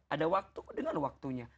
ada waktu dengan waktunya